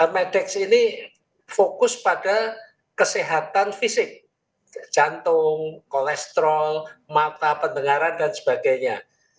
medex ini fokus pada kesehatan fisik jantung kolesterol mata pendengaran dan sebagainya